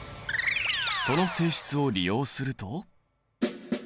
その性質を利用すると。